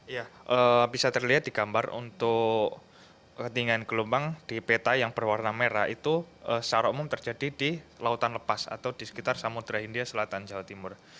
ya bisa terlihat di gambar untuk ketinggian gelombang di peta yang berwarna merah itu secara umum terjadi di lautan lepas atau di sekitar samudera india selatan jawa timur